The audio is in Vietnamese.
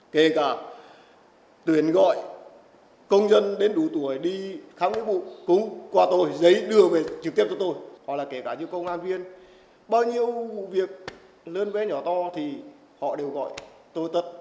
kể cả tuyển gọi công dân đến đủ tuổi đi khám quý vụ cũng qua tôi giấy đưa về trực tiếp cho tôi họ là kể cả như công an viên bao nhiêu việc lớn bé nhỏ to thì họ đều gọi tôi tật